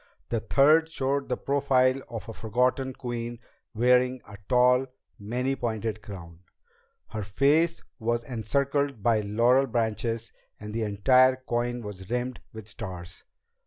A third showed the profile of a forgotten queen wearing a tall, many pointed crown. Her face was encircled by laurel branches and the entire coin was rimmed with stars.